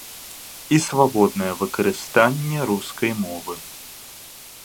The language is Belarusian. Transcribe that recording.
І свабоднае выкарыстанне рускай мовы.